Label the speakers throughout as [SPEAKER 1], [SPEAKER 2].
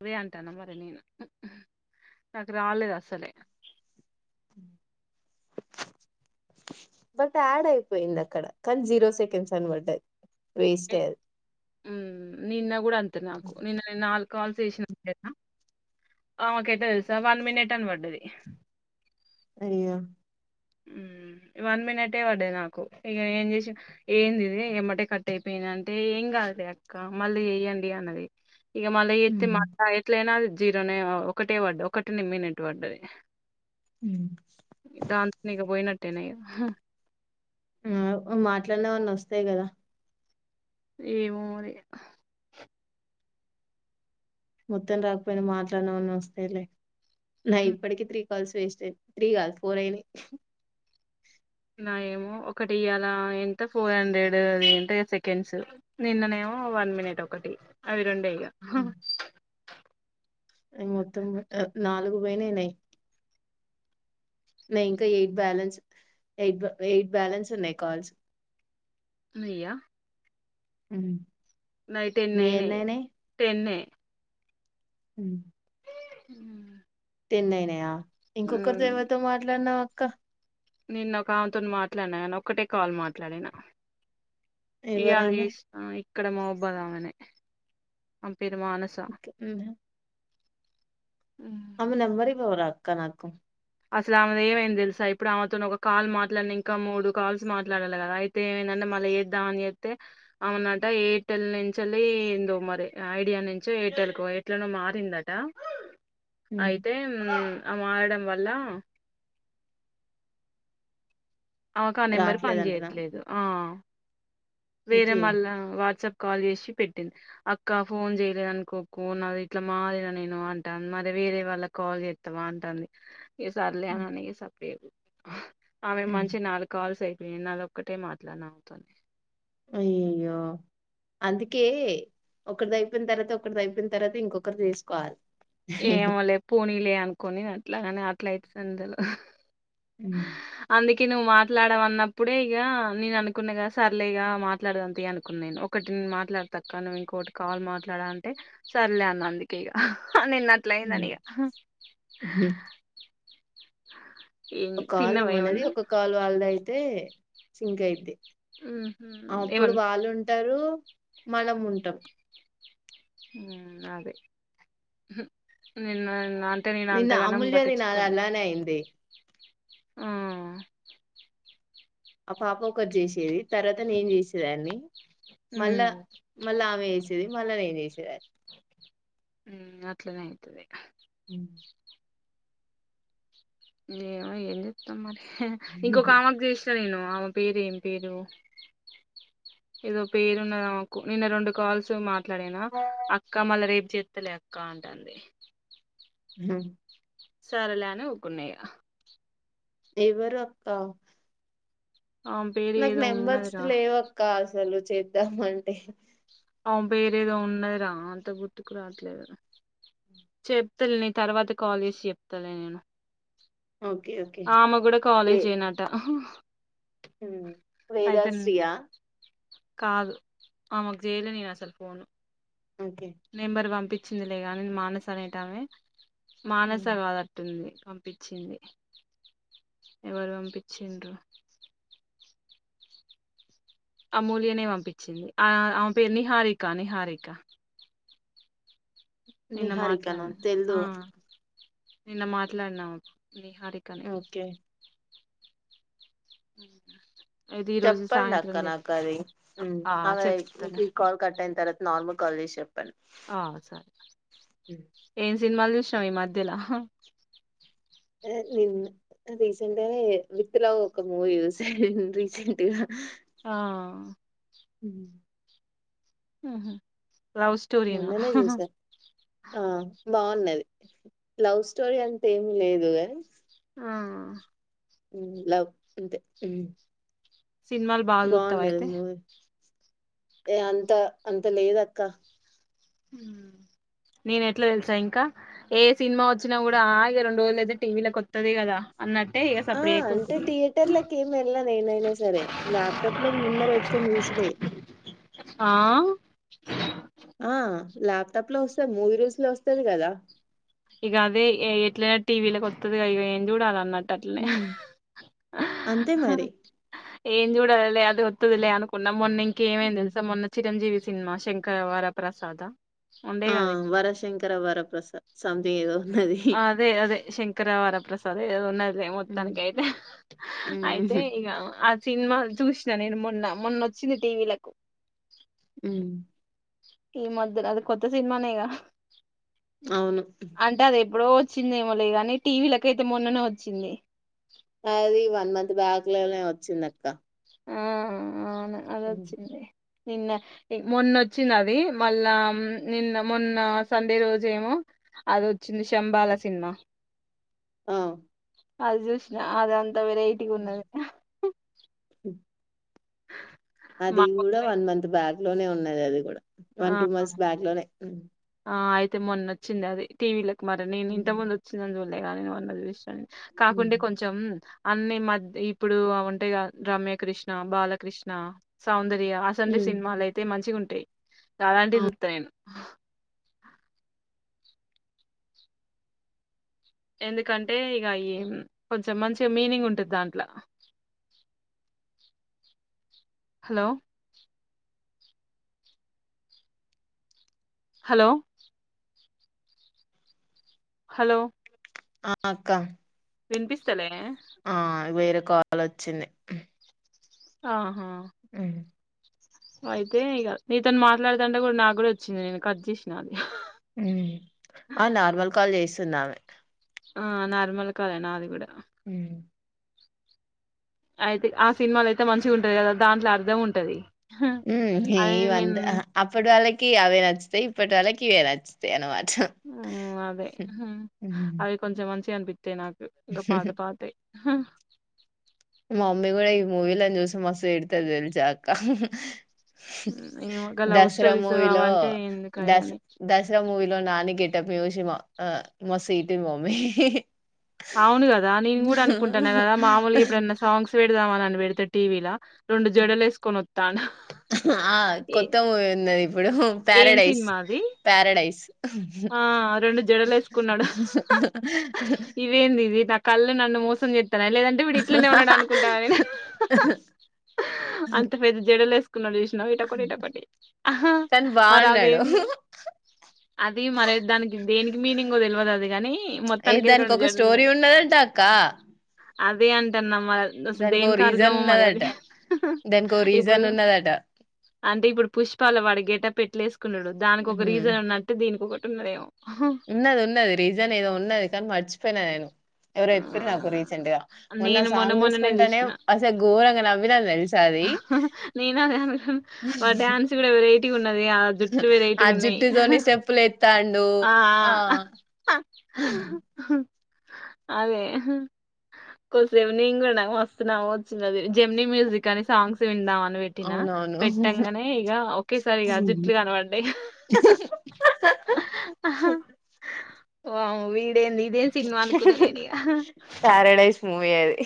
[SPEAKER 1] అదే అంటాన్న మరి నేను నాకు రాలేదా అసల సలేే
[SPEAKER 2] బట్ యాడ్ అయిపోయింది అక్కడ కానీ జీరో సెకండ్స్ అనీబడ్డాది
[SPEAKER 1] ఉమ్ నిన్న కూడా అంతే నాకు నిన్న నలు కాల్ చేసినకేట ఆమె కైతే తెసా వన్ మినిట్ అనీ పడ్డది
[SPEAKER 2] అయ్యో
[SPEAKER 1] ఉమ్ వన్ మినిటే పడది నాకు ఇక ఏం చేస ఏంది ఇది ఎమటే కట్ అయిపోయింది అంటే ఏం కాదులే అక్క మళ్ళీ చేయండి అన్నది ఇగ మళ్ళ చేతే మా అత్త [unintelligible] జీరోనే ఒకటే పడ్డ ఒకటి నిమ్ మినెట్ పడ్డది
[SPEAKER 2] ఉమ్
[SPEAKER 1] పోయినట్టేన ఇగ
[SPEAKER 2] ఆ మాట్లాడిన వాన్న వస్తాయి కదా
[SPEAKER 1] ఏమోరి
[SPEAKER 2] మొత్తం రాకపోయినా మాట్లాడనావని వస్తాయిలే నాయ్ ఇప్పుటికి త్రీ కాల్స్ వేస్ట్ అయినాయి త్రీ కాదు ఫోర్ అయినాయి
[SPEAKER 1] నా ఏమో ఒకటి ఇయ్యాల ఏంట ఫోర్ హండ్రెడ్ అది ఏంటే సెకండ్స్ నిన్ననే ఏమో వన్ మినేట్ ఒకటి అవి రెండుయ. ఇగ
[SPEAKER 2] మొత్తం నాలుగు పోననాయి నాయ్ న ఇంకా eight balance eight eight balance ఉన్నాయి కాల్స్
[SPEAKER 1] నియా
[SPEAKER 2] ఉమ్
[SPEAKER 1] నాయి టెన్ అయినయ్ టెన్
[SPEAKER 2] ఉహు
[SPEAKER 1] హు
[SPEAKER 2] టెన్ అయినయా ఇంకొకరి ఎవరితో మాట్లాడినవు అ కా
[SPEAKER 1] నిన్న ఒక ఆమెతో మాట్లాడినా కానీ ఒక్కటే కాల్ మాట్లాడినా. ఇయ్యాల.
[SPEAKER 2] ఎవరామె
[SPEAKER 1] చేసిన ఇక్కడ మహాబాద్ అమది పెరు మానస. ఉమ్.
[SPEAKER 2] ఆమె నెంబర్ ఈ రా అక్కన నాకు.
[SPEAKER 1] అసలు ఆమె ఏమైంది తెలుసా ఇప్పుడు ఆమెతో ఒక కాల్ మాట్లాడిన ఇంకా మూడు కాల్స్ మాట్లాడాలి కదా అయితే ఏమైందంటే మళ్ళీ చేద్దామని చేస్తే ఆమెనట ఎయిర్టెల్ నుంచి ఏందో మరి ఐడియా నుంచి ఎయిర్టెల్ కు ఎట్ల నో మారిందట. అయితే. హు ఆ మారడం వల్ల అలా ఆమెకు ఆ నెంబర్
[SPEAKER 2] రాట్లేదంటనా
[SPEAKER 1] పనిచేయట్లేదు ఆ వేరే
[SPEAKER 2] ఓకే
[SPEAKER 1] మల్ల వాట్సాప్ కాల్ చేసి పెట్టింది అక్క ఫోన్ చేయలేదు అనుకోకు నాది ఇట్లా మారిన నేను అంటా మరి వేరే వాళ్ళ కాల్ చేస్తావా అంటాంది ఇగ సార్లు
[SPEAKER 2] ఉమ్,
[SPEAKER 1] అనేని సాపు రేపు ఆమె
[SPEAKER 2] ఉమ్.
[SPEAKER 1] మంచి నాలుగు కాల్స్ అయి నాది ఒక్కటే మాట్లాడిన ఆమెతోని
[SPEAKER 2] అయ్యో అందుకే ఒకరిది అయిపోయిన తర్వాత ఒకరిది అయిపోన తర్వాత ఇంకొకరు చేసుకోవాలే
[SPEAKER 1] ఏమో లే పోనీలే అనుకోని ఆ అట్లాగానే అట్లా అయితది అని తెల్వదు
[SPEAKER 2] హు
[SPEAKER 1] కి నువ్వు మాట్లాడవ అన్నప్పుడే ఇగ నేను అనుకున్నా కదా సర్లే ఇగ మాట్లాడదము తీయి అనుకున్నా నేను ఒకటి నేను మాట్లాడత అక్క నువ్వు ఇంకోటి కాల్ మాట్లాడ అంటే సర్లే అన్న అందుకే ఇగ హా నిన్న అట్లయింది
[SPEAKER 2] ఉమ్.
[SPEAKER 1] అని ఇగా ఆ
[SPEAKER 2] ఒక కాలు మనది ఒక కాలు వాళ్ళది అయితే సింకా అయింది
[SPEAKER 1] ఉహు
[SPEAKER 2] అప్పుడు
[SPEAKER 1] ఏమన్
[SPEAKER 2] వాళ్ళు ఉంటారు మనం ఉంటాం
[SPEAKER 1] హు అదే నిన్న న అంటే నేను
[SPEAKER 2] నిన్న
[SPEAKER 1] అంతగానం
[SPEAKER 2] అమూల్యది నాది
[SPEAKER 1] పట్టించుకోలే
[SPEAKER 2] అలానే అయింది
[SPEAKER 1] ఆహా
[SPEAKER 2] ఆ పాప ఒకటి చేసేది తర్వాత నేను చేసేదాన్ని మళ్ళా
[SPEAKER 1] ఉమ్
[SPEAKER 2] మళ్ళా ఆమె చేస్ సిది మళ్ళా నేను చేసేదాన్ని
[SPEAKER 1] హ్మ్ అట్లనే అయితది
[SPEAKER 2] మ్మ్
[SPEAKER 1] ఏమో ఏం చెత్తం మరి హ్యా ఇంకొక ఆమకి చేస్ సరే ను ఆమె పేరు ఏం పేరు ఏదో పేరున్నది ఆమెకు నిన్న రొండు కాల్స్ మాట్ ట్లడిన అక్క మళ్ళా రేపు చే త్తలే అక్క అంటంది సరేలే అని ఊకున్న ఇగ
[SPEAKER 2] ఎవరు అక్క
[SPEAKER 1] ఆమె పేరు
[SPEAKER 2] నాకు
[SPEAKER 1] ఏదో
[SPEAKER 2] నెంబర్స్
[SPEAKER 1] ఉన్నదిరా
[SPEAKER 2] లేవక్క అసలు చేద్దామంటే
[SPEAKER 1] ఆమ్ పేరేదో ఉన్నది రా అంత గుర్తుకు రావట్లేదు చెప్తాలే నీ తర్వాత కాల్ చేసి చెప్తాలే నేను
[SPEAKER 2] ఓకే ఓకే
[SPEAKER 1] ఆమె కూడా కాలేజే నట
[SPEAKER 2] మ్మ్
[SPEAKER 1] నే-
[SPEAKER 2] వేదాశ్రీ ఆ
[SPEAKER 1] కాదు ఆమెకు చేయలే నేను అసలు ఫోను
[SPEAKER 2] ఓకే
[SPEAKER 1] నెంబర్ పంపి వచ్చిందిలే కానీ మానస అనేటమే మానస
[SPEAKER 2] ఉమ్
[SPEAKER 1] కాదట్టుంది పంపిచ్చింది ఎవరు పంపించిండ్రు అమూల్యనే పంపిచ్చింది ఆ ఆమె పేరు నిహారిక నిహారిక నిన్న
[SPEAKER 2] నిహారికన
[SPEAKER 1] మాట్లాడినా ఆ
[SPEAKER 2] తెల్దు
[SPEAKER 1] నిన్న మాట్లాడినాము నిహారికనే
[SPEAKER 2] ఓకే
[SPEAKER 1] ఇది ఈ రోజు సాయంత్రం
[SPEAKER 2] చెప్పండక్క
[SPEAKER 1] చెప్
[SPEAKER 2] నాకు అది మ్మ్
[SPEAKER 1] ఆ
[SPEAKER 2] ఆమెది
[SPEAKER 1] చెప్తాలే
[SPEAKER 2] నీకి కాల్ కట్ అయిన తరువత్ నార్మల్ కాల్ చేసి చెప్
[SPEAKER 1] ఆ సరే ఏం సినిమాలు చూసినవ ఈ మధ్యలా
[SPEAKER 2] ఆ నేను [unintelligible] రీసెంట్ గానే విత్ లవ్ ఒక మూవీ చూసా రీసెంట్ గా
[SPEAKER 1] ఆ
[SPEAKER 2] ఉహు
[SPEAKER 1] ఉహూ లవ్ స్టోరీనా ఆహ్
[SPEAKER 2] మొన్ననే
[SPEAKER 1] హా హా
[SPEAKER 2] చూసా ఆ బావున్నది. లవ్ స్టోరీ అంతెం లేదుగాని
[SPEAKER 1] ఆహ్
[SPEAKER 2] మ్మ్ లవ్ అంతే ఉమ్
[SPEAKER 1] సినిమాలు బాగా చూతావ
[SPEAKER 2] బాగున్నది
[SPEAKER 1] అయితే
[SPEAKER 2] మూవీ ఏ అంత అంత లేదక్క
[SPEAKER 1] ఉమ్ నేన ఎట్లా తెలుసా ఇంకా. ఏ సినిమా వచ్చినా కూడా ఆగే రెండు రోజులు అయితే టీవీల కోత్తది కదా. అన్నట్
[SPEAKER 2] ఆ అంటే థియేటర్లకి ఏం వెళ్ళను నేనైనా సరే. ల్యాప్టాప్ లో ముందర పెట్టుకొని చూస్డే.
[SPEAKER 1] ఆహ్
[SPEAKER 2] ఆ ల్యాప్టాప్ లో వస్తది. మూవీరుల్జ్ లో వస్తది కదా.
[SPEAKER 1] ఇగ అదే ఏ ఎట్లయినా టీవీల వస్తదిగా ఇగ ఎం చూడాల?
[SPEAKER 2] ఉమ్మ్ అంతే మరి
[SPEAKER 1] ఏం చూడాలలే అదే ఒత్తదిలే అనుకున్నం. మొన్న ఇంకేమైంది
[SPEAKER 2] ఉమ్,
[SPEAKER 1] తెల్స. మొన్న చిరంజీవి సినిమా శంకర వరప్రసాద్
[SPEAKER 2] ఆ వర శంకర వరప్రసాద్ సంథింగ్ ఏదో ఉన్నది
[SPEAKER 1] ఆ అదే అదే శంకర వర ప్రసా అదే ఏదోన్నది మొత్తనీకయితే అయితే
[SPEAKER 2] ఉహు
[SPEAKER 1] ఇగా సిన్మా చూసినా నేను మొన్న. మొన్నోచ్చింది టీవీలకు.
[SPEAKER 2] ఉమ్
[SPEAKER 1] ఈ మధలా అది కొత్త సినిమానేేగా
[SPEAKER 2] అవును హు
[SPEAKER 1] డో వచ్చిందేమోలే గాని టీ. వీలకయితే మొన్ననే వచ్చింది.
[SPEAKER 2] [unintelligible] నే వచ్చిందక్క
[SPEAKER 1] ఆవును
[SPEAKER 2] ఉమ్,
[SPEAKER 1] అదోచ్చింది నిన్న మొన్నొచ్చింది అది. మళ్ళా నిన్న మొన్న సండే రోజు ఏమో అదోచ్చింది. శంబాల సినిమా
[SPEAKER 2] ఆ
[SPEAKER 1] అది చూసిన అదంత్ త వెరైటీగున్నది. ఆహ్ హా
[SPEAKER 2] హుమ్ అది
[SPEAKER 1] మా
[SPEAKER 2] గూడా
[SPEAKER 1] ఊర్లో
[SPEAKER 2] వన్ మంత్ బ్యాక్ లోనే ఉన్నాది అది గూడా
[SPEAKER 1] ఆ
[SPEAKER 2] వన్ టూ మంత్స్ బ్యాక్ లోనే
[SPEAKER 1] తే మొన్నోచ్చిందదే టీ. వీలక్ మరి నేను
[SPEAKER 2] ఉ
[SPEAKER 1] ఇంత ముందు వచ్చిందాని లేగాని ఉన్న విషని కాకుంటే కొంచెం అన్ని మధ్య ఇప్పుడు ఉంటాయిగ రమ్యక్రిష్ణ, బాలకృష్ణ, సౌందర్ వాసంది
[SPEAKER 2] ఉ
[SPEAKER 1] సినిమాలయితే మంచిగుం అ చాలాంటిది చుత్త నేను ఆ ఎందుకంటే ఇగ ఈ కొంచెం మంచి మీనింగ్ ఉంటది దాంట్లో హలో హలో హలో
[SPEAKER 2] అ అక్క
[SPEAKER 1] వినిపిస్తలే
[SPEAKER 2] ఆ వేరేకాల్ వచ్చింది
[SPEAKER 1] ఆ
[SPEAKER 2] ఉమ్
[SPEAKER 1] అయితే ఇగ నీతోను మాట్లాడతంటే కూడా నాగూడ వచ్చింది నేను కట్ చేసిన అది
[SPEAKER 2] ఉ ఆ నార్మల్ కాల్ చేస్తున్నా ఆమే
[SPEAKER 1] ఆ నార్మల్ కాలేనా అది కూడా
[SPEAKER 2] హు
[SPEAKER 1] అయితే ఆ సినిమాలు అయితే మంచిగా ఉంటది. కదా దాంట్లో అర్థం ఉంటది.
[SPEAKER 2] ఉమ్
[SPEAKER 1] అదే
[SPEAKER 2] ఏయి
[SPEAKER 1] నేను
[SPEAKER 2] వంద అప్పటి వాళ్ళకి అవే నచ్చుతాయ్ ఇప్పటి వాళ్ళకి కేగదా చిఎన్ పడ్
[SPEAKER 1] ఉ అదే అవి కొంచెం మంచి చన్ పి తే నాకు ఇంకా పాత పాతే
[SPEAKER 2] మా మమ్మీ కూడా ఈ మూవీలను చూసి మస్తు తిడతది తెలిచా అక్క
[SPEAKER 1] ఏమో గా లవ్
[SPEAKER 2] దసరా
[SPEAKER 1] స్టోరీస్
[SPEAKER 2] మూవీలో
[SPEAKER 1] అవంటే ఎందుకయని
[SPEAKER 2] దస్ దసరా మూవీ లో నను కెట్ ప్పసి ఆ మసీటిం మమ్మే
[SPEAKER 1] అవును కదా నేను కూడా అనుకుంటన్నా కదా మామూలుగా ఎప్పుడన్నా సాంగ్స్ పెడిద్ తమని వెడితే టీవ లా
[SPEAKER 2] ఆ
[SPEAKER 1] ఏ
[SPEAKER 2] కొత్త మూవీ ఉన్నది ఇప్పుడు
[SPEAKER 1] ఏం
[SPEAKER 2] పారాడైస్
[SPEAKER 1] సినిమా అది
[SPEAKER 2] పారాడ్ టైస్
[SPEAKER 1] ఆ రెండు జడలు వేసుకున్నాడు ఇవేంది ఇది నా కళ్ళు నన్ను మోసం చేత్తానయ లేదంటే వీడు ఇట్లనే ఉన్నాడ అనుకుంటావా నే అంత పెద్ద జడలు వేస్ పెటికున్నాడు చూసినవా ఇటాకోటటి ఇటాకోటి ఆహ
[SPEAKER 2] కానీ బాగున్నాడు
[SPEAKER 1] అదేందో అది మరి దానికి దేనికి మీనింగ్ తెలివదు అది కానీ
[SPEAKER 2] ఏ
[SPEAKER 1] మొత్తానికితే
[SPEAKER 2] దానికి
[SPEAKER 1] రెండు
[SPEAKER 2] ఒక స్టోరీ
[SPEAKER 1] జెడలునై
[SPEAKER 2] ఉన్నదట అక్క
[SPEAKER 1] అవే అంటనం అసలు
[SPEAKER 2] దానికి ఒక
[SPEAKER 1] దేనికైర్ధం
[SPEAKER 2] రీజన్
[SPEAKER 1] మరి అది
[SPEAKER 2] ఉన్నదట దానికి ఒక
[SPEAKER 1] ఇప్పుడు
[SPEAKER 2] రీజన్ ఉన్నదట
[SPEAKER 1] అంటే ఇప్పుడు పుష్పాలో వాడి గేటప్పుఎట్లేస్ న్నాడు దానికి ఒక
[SPEAKER 2] ఉహుం.
[SPEAKER 1] రీజన్ ఉన్నట్ దీనికొకటి ఉన్నదేమో
[SPEAKER 2] ఉన్నది ఉన్నది రీజన్ ఏదో ఉన్నది కాని మర్చు పోయిన నేను ఎవరో
[SPEAKER 1] ఆ,
[SPEAKER 2] చెప్పారు నాకు రీసెంట్ గా మొన్న
[SPEAKER 1] నేను
[SPEAKER 2] సాంగ్
[SPEAKER 1] మొన్ననే
[SPEAKER 2] చూసుకుంటేనే
[SPEAKER 1] చూసిన
[SPEAKER 2] అసలు ఘోరంగా నవ్విని తెలిసి
[SPEAKER 1] నేను అదే అనుకున్న వాడి డాన్స్ కూడా వెరైటీ
[SPEAKER 2] ఆ జుట్టు తోని స్టెప్పులు ఎత్తండు లో ఆ
[SPEAKER 1] అదే కొద్దిసేపు నేను కూడా నాకు మస్త్ నవ్వొచ్చింది జెమిని మ్యూజిక్ అని సాంగ్స్ విందామ పెట్టినా
[SPEAKER 2] అవునవును
[SPEAKER 1] పెట్టంగానే ఇగ ఒకేసారి ఇక జుట్లు కనబడ్డాయి ఇక ఆ వామ్మో ఇదంది ఇదేం సినిమా అనుకున్న నేను ఇగ
[SPEAKER 2] ప్యారడైస్ మూవీ అది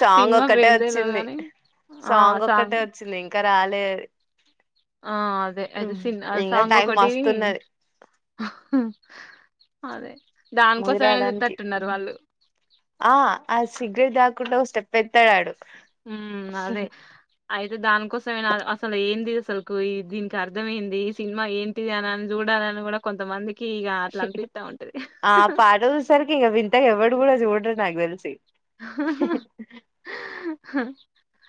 [SPEAKER 2] సాంగ్
[SPEAKER 1] సినిమా
[SPEAKER 2] ఒక్కటే
[SPEAKER 1] పేరు తెల్వదు
[SPEAKER 2] వచ్చింది
[SPEAKER 1] గాని
[SPEAKER 2] సాంగ్ ఒక్కటే వచ్చింది ఇం ఇంకా రాలే అది
[SPEAKER 1] ఆ అదే అదే సిన్ అ సాంగ్
[SPEAKER 2] టైం
[SPEAKER 1] ఒకటి
[SPEAKER 2] మస్తున్నది
[SPEAKER 1] అదే
[SPEAKER 2] మూవీ
[SPEAKER 1] దానికోసమైనా
[SPEAKER 2] రాడానికి
[SPEAKER 1] చూత్తట్టున్నారు వాళ్ళు
[SPEAKER 2] ఆ ఆ సిగ్రెట్ దాకు కుంట ఒక స్టెప్ ఏస్తాడు అడు
[SPEAKER 1] ఉ అదే అయితే దానికోసం ఎన అసలు ఏంది అసలుకు దీనికి అర్ధం ఏంది ఈ సినిమా ఏంటిది అని అని చూడాలని కూడా కొంతమంది
[SPEAKER 2] ఆ పాటా చూసే సరికి వి ఇంత ఎవడు కూడా చూడరు నాకు తెల్సి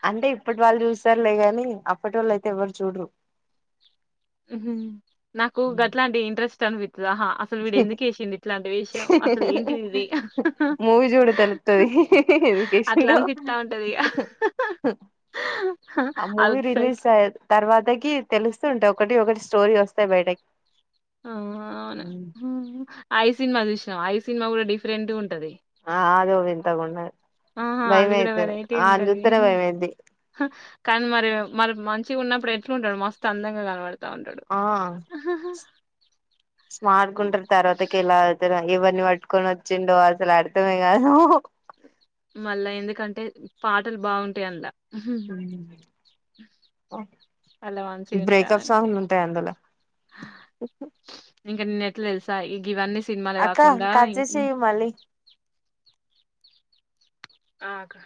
[SPEAKER 2] అంటే ఇప్పటి వాళ్ళు చూస్త తర్లే గానీ అప్పటి వాళ్ళు అయితే ఎవ్వరు చూడరు
[SPEAKER 1] నాకు గట్లాటీవీ ఇంట్రెస్ట్ అనిపై హా అసలు వీడు ఎందుకు వేసిడు ఇట్లాంటి వేషం అసలు ఏంటిది ఇది
[SPEAKER 2] మూవీ చూడు తెలుత్తది ఎడ్యుకేషన్
[SPEAKER 1] అట్లా
[SPEAKER 2] లో
[SPEAKER 1] అనిపిస్తా ఉంటంది ఇక
[SPEAKER 2] ఆ మూవీ రిలీజ్ అయ్య తర్వాతకి తెలుస్త ఉంటాయి ఒకటి ఒకటి స్టోరి వస్తాయి బయటకి
[SPEAKER 1] ఆ అవునా ఐ సినిమా చూసినావ ఐ సినిమా కూడా డిఫరెంట్ గా ఉంటది
[SPEAKER 2] ఆ అది వింత గా ఉంటది
[SPEAKER 1] ఆహా అది కూడా వెరైటీ ఉంటది
[SPEAKER 2] చూత్తేనే భయమైద్ది
[SPEAKER 1] కానీ మరి మరి మంచి మంచిగ ఉన్నప్పుడు ఎట్లు ఉంటాడు మస్తు అందంగా కానవాడు ఉంటాడు
[SPEAKER 2] ఆ స్మార్ట్ గా ఉంటారు తర్వాతకి ఎలా ఇవన్నీ పట్టుకొని వచ్చిండో అసలు అర్థమే కాదు
[SPEAKER 1] మళ్ళా ఎందుకంటే పాటలు బాగుంటాయి ఆన్లా అలా మంచిగా ఉంటా
[SPEAKER 2] బ్రేకప్
[SPEAKER 1] అంటే
[SPEAKER 2] సాంగ్ ఉంటాయి అందులో
[SPEAKER 1] ఇంకా నేను తెలుసా గేవాన్ని
[SPEAKER 2] అక్క కట్ చేసే చేయి మళ్ళీ
[SPEAKER 1] అక్క